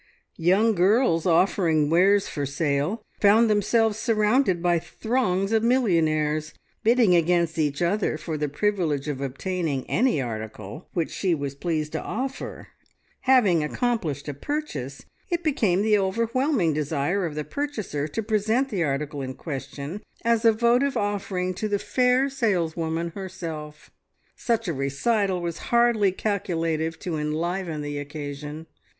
Young girls offering wares for sale found themselves surrounded by throngs of millionaires, bidding against each other for the privilege of obtaining any article which she was pleased to offer. Having accomplished a purchase, it became the overwhelming desire of the purchaser to present the article in question as a votive offering to the fair sales woman herself. ... Such a recital was hardly calculative to enliven the occasion.